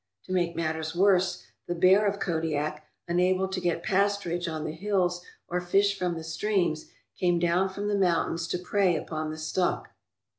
To make matters worse, the bear of Kodiak, unable to get pasturage on the hills or fish from the streams, came down from the moun tains to prey upon the stock.